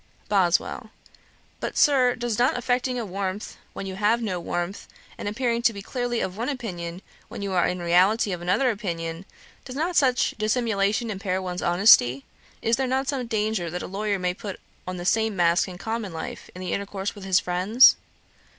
BOSWELL. 'But, Sir, does not affecting a warmth when you have no warmth, and appearing to be clearly of one opinion when you are in reality of another opinion, does not such dissimulation impair one's honesty? Is there not some danger that a lawyer may put on the same mask in common life, in the intercourse with his friends?'